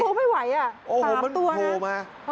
โทรไม่ไหวตามตัวนะโอ้โหมันโทรมา